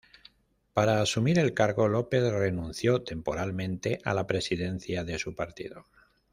Para asumir el cargo López renunció temporalmente a la presidencia de su partido.